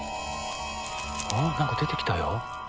何か出てきたよ。